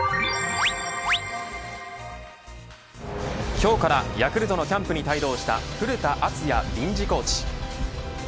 今日からヤクルトのキャンプに帯同した古田敦也臨時コーチ。